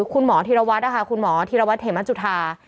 คุณหมอธิรวัตรเทมันจุธา